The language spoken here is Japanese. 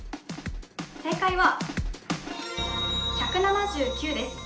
正解は、１７９です。